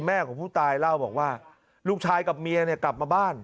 ของผู้ตายเล่าบอกว่าลูกชายกับเมียเนี่ยกลับมาบ้าน